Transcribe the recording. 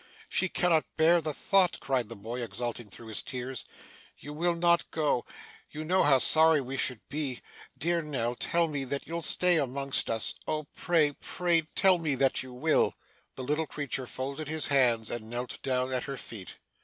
'She cannot bear the thought!' cried the boy, exulting through his tears. 'You will not go. You know how sorry we should be. Dear Nell, tell me that you'll stay amongst us. Oh! Pray, pray, tell me that you will.' The little creature folded his hands, and knelt down at her feet.